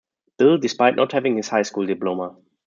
Bill, despite not having his high school diploma.